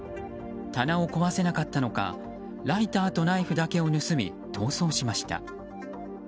棚を壊せなかったのかライターとナイフだけを盗み逃走しました。